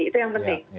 itu yang penting